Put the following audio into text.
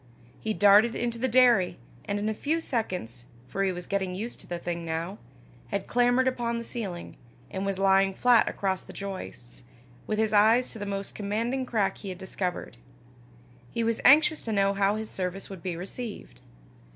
He darted into the dairy, and in a few seconds, for he was getting used to the thing now, had clambered upon the ceiling, and was lying flat across the joists, with his eyes to the most commanding crack he had discovered: he was anxious to know how his service would be received.